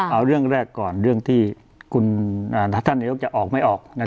เอาเรื่องแรกก่อนเรื่องที่ท่านนายกจะออกไม่ออก